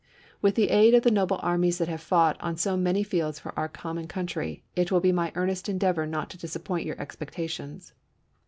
With the aid of the noble armies that have fought on so many fields for our common countiy, it will be my earnest endeavor not to disappoint your expecta tions.